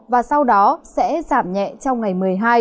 và sau đó sẽ giảm nhẹ trong ngày một mươi hai